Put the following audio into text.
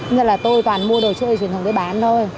nên là tôi toàn mua đồ chơi truyền thống để bán thôi